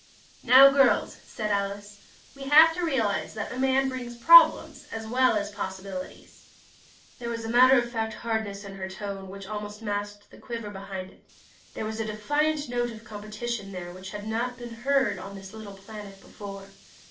"Now, girls," said Alice, "we have to realize that a man brings problems, as well as possibilities." There was a matter of fact hardness to her tone which almost masked the quiver behind it. There was a defiant note of competition there which had not been heard on this little planet before.